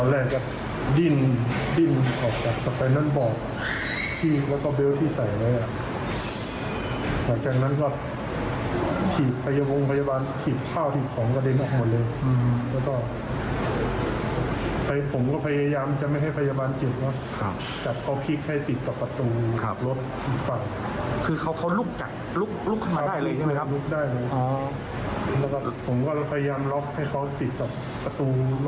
แล้วก็ผมก็พยายามล็อคให้เขาปิดกระตูรถ